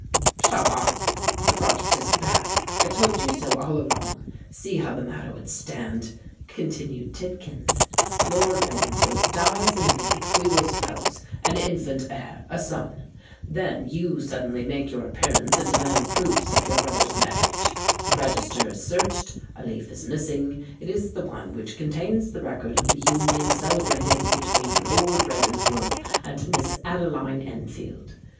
"Pshaw! the project is bad—I told you so all along. See how the matter would stand," continued Tidkins:—"Lord Ravensworth dies and leaves, we will suppose, an infant heir—a son. Then you suddenly make your appearance, and demand proofs of your brother's marriage. The register is searched—a leaf is missing—it is the one which contains the record of the union celebrated between Lord Ravensworth and Miss Adeline Enfield!